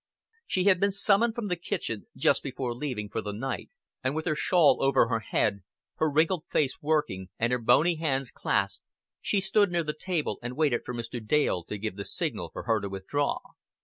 She had been summoned from the kitchen just before leaving for the night; and with her shawl over her head, her wrinkled face working, and her bony hands clasped she stood near the table and waited for Mr. Dale to give the signal for her to withdraw.